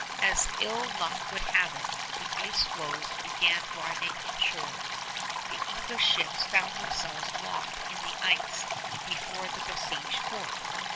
As ill luck would have it, the ice floes began driving inshore. The English ships found themselves locked in the ice before the besieged fort.